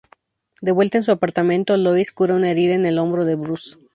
De vuelta en su apartamento, Lois cura una herida en el hombro de Bruce.